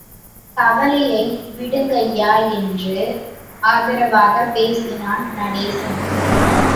கவலையை விடுங்கய்யா என்று ஆதரவாகப் பேசினார் நடேசன்.